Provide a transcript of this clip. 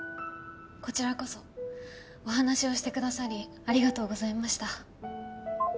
こちらこそお話をしてくださりありがとうございました。